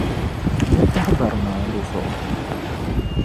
Di tahi baramanda zuɣu.